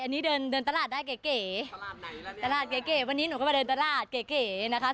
อันนี้เดินเดินตลาดได้เก๋ตลาดเก๋วันนี้หนูก็มาเดินตลาดเก๋นะคะ